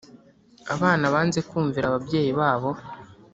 Abana banze kumvira ababyeyi babo